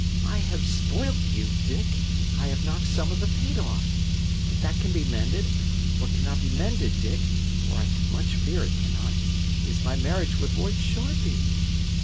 "I have spoilt you, Dick! I have knocked some of the paint off. But that can be mended. What cannot be mended, Dick or I much fear it cannot! is my marriage with Lord Shoreby."